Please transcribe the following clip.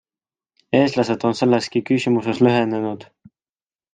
Eestlased on selleski küsimuses lõhenenud.